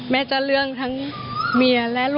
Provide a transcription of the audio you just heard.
ลูกชายวัย๑๘ขวบบวชหน้าไฟให้กับพุ่งชนจนเสียชีวิตแล้วนะครับ